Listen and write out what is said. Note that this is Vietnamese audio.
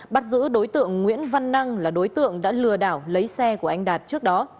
bắt giữ đối tượng nguyễn văn năng là đối tượng đã lừa đảo lấy xe của anh đạt trước đó